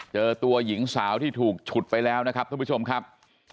เจอตัวหญิงสาวที่ถูกฉุดไปแล้วนะครับท่านผู้ชมครับ